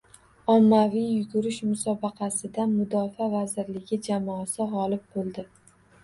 Ommaviy yugurish musobaqasida Mudofaa vazirligi jamoasi g‘olib bo‘ldi